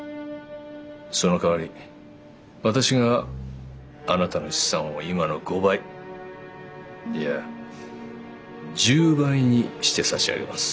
そのかわり私があなたの資産を今の５倍いや１０倍にして差し上げます。